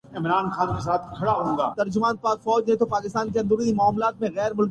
تو پھر پڑاؤ کبھی بھگوال میں ہو گا۔